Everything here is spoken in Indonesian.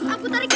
aku tarik ya